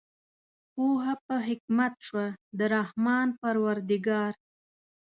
پوهه په حکمت شوه د رحمان پروردګار